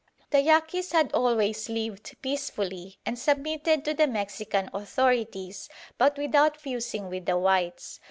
"The Yaquis had always lived peacefully and submitted to the Mexican authorities, but without fusing with the whites.